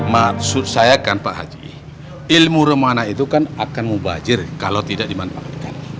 maksud saya kan pak haji ilmu remana itu kan akan mubajir kalau tidak dimanfaatkan